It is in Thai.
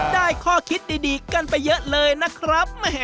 ข้อคิดดีกันไปเยอะเลยนะครับ